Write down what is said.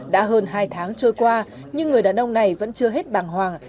đã hơn hai tháng trôi qua nhưng người đàn ông này vẫn chưa hết bàng hoàng